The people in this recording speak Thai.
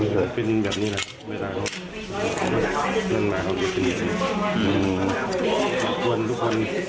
กลับกวนทุกคน